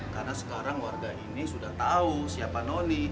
karena sekarang warga ini sudah tau siapa noni